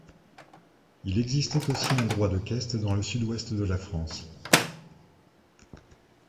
Il existait aussi un droit de queste dans le Sud-Ouest de la France.